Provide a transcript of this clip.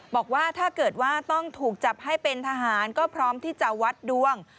บอกว่าถ้าเกิดว่าต้องถูกจับให้เป็นทหารก็พร้อมที่จะวัดดวง